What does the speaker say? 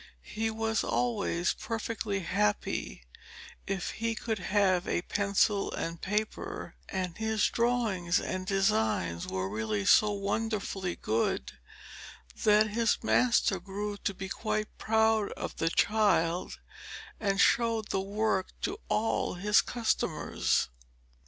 He was always perfectly happy if he could have a pencil and paper, and his drawings and designs were really so wonderfully good that his master grew to be quite proud of the child and showed the work to all his customers.